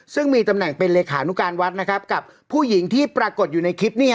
ซึ่งมีตำแหน่งเป็นเลขานุการวัดนะครับกับผู้หญิงที่ปรากฏอยู่ในคลิปนี้